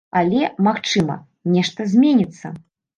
Але, магчыма, нешта зменіцца.